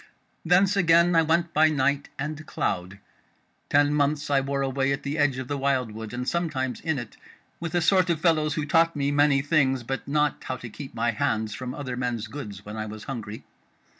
Thence again I went by night and cloud. Ten months I wore away at the edge of the wildwood, and sometimes in it, with a sort of fellows who taught me many things, but not how to keep my hands from other men's goods when I was hungry.